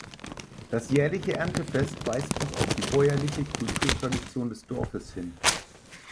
Das jährliche Erntefest weist noch auf die bäuerliche Kulturtradition des Dorfes hin.